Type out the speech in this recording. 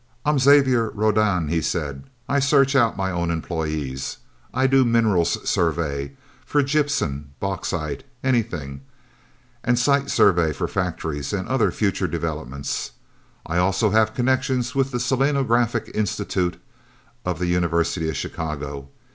"I'm Xavier Rodan," he said. "I search out my own employees. I do minerals survey for gypsum, bauxite anything. And site survey, for factories and other future developments. I also have connections with the Selenographic Institute of the University of Chicago.